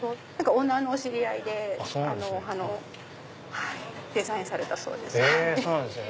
オーナーのお知り合いでデザインされたそうです。